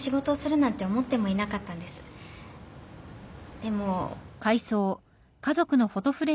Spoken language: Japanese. でも。